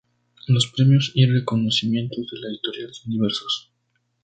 Los premios y reconocimientos de la editorial son diversos.